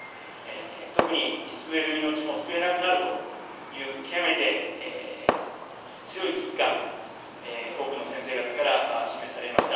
特に救える命も救えなくなるという、極めて強い危機感、多くの先生方から示されました。